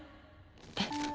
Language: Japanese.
えっ？